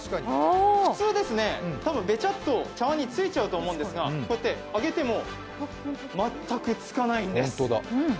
普通、ベチャッと茶わんに付いちゃうと思うんですがこうやって上げても全くつかないんです！